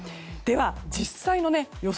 実際の予想